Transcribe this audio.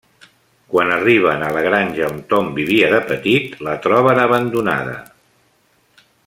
Quan arriben a la granja on Tom vivia de petit, la troben abandonada.